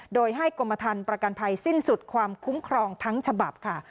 โดยให้กรมฐานประกันภัยสิ้นสุดความคุ้มครองทั้งฉบับค่ะ